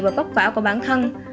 và vất vả của bản thân